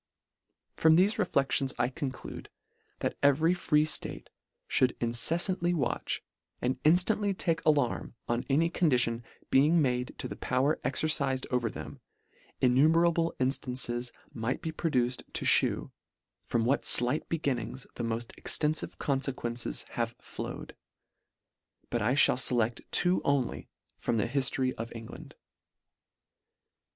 From thefe reflections I conclude, that every free ftate fhould inceflantly watch, and inftantly take alarm on any condition being made to the power exercifed over them, in numerable inftances might be produced to fhew, from what flight beginnings the moft extenlive confequences have flowed : but I (hall feleft two only from the hiftory of England.